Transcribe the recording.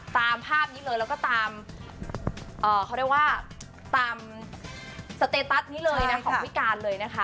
ตามภาพนี้เลยแล้วก็ตามเขาเรียกว่าตามสเตตัสนี้เลยนะของพี่การเลยนะคะ